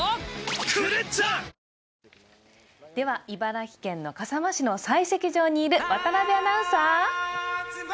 茨城県の笠間市の採石場にいる渡部アナウンサー。